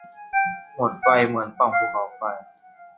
หมดไฟเหมือนปล่องภูเขาไฟ